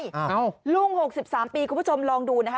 เอ้ารุ่งหกสิบสามปีคุณผู้ชมลองดูนะฮะ